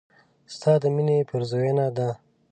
ستا د مينې پيرزوينه ده